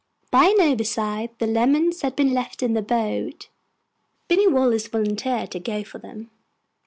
By an oversight, the lemons had been left in the boat. Binny Wallace volunteered to go for them.